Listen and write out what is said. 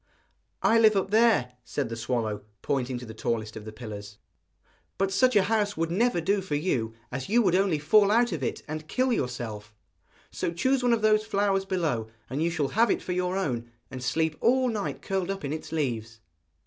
'I live up there,' said the swallow, pointing to the tallest of the pillars. 'But such a house would never do for you, as you would only fall out of it and kill yourself. So choose one of those flowers below, and you shall have it for your own, and sleep all night curled up in its leaves.'